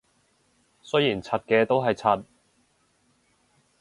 雖然柒嘅都係柒